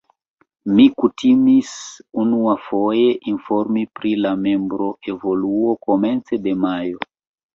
Mi kutimis unuafoje informi pri la membroevoluo komence de majo.